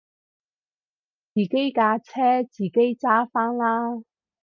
自己架車自己揸返啦